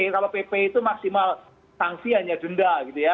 kalau pp itu maksimal sanksi hanya denda gitu ya